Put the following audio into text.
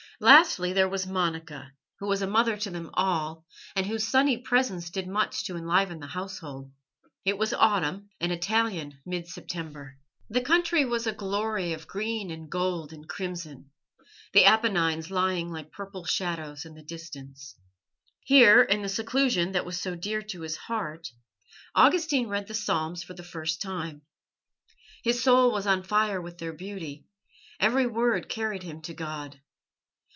Lastly there was Monica, who was a mother to them all, and whose sunny presence did much to enliven the household. It was autumn, an Italian mid September. The country was a glory of green and gold and crimson, the Apennines lying like purple shadows in the distance. Here, in the seclusion that was so dear to his heart, Augustine read the Psalms for the first time. His soul was on fire with their beauty; every word carried him to God.